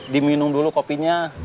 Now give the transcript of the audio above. diminum dulu kopinya